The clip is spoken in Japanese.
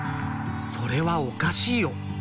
それはおかしいよ！